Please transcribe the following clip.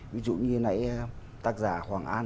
ví dụ như nãy tác giả hoàng an